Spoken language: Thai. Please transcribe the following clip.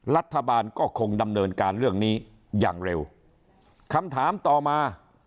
รัฐบาลก็คงดำเนินการเรื่องนี้อย่างเร็วคำถามต่อมา